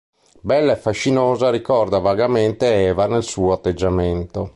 Bella e fascinosa, ricorda vagamente Eva nel suo atteggiamento.